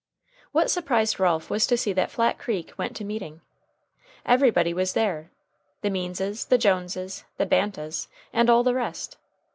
What surprised Ralph was to see that Flat Creek went to meeting. Everybody was there the Meanses, the Joneses, the Bantas, and all the rest.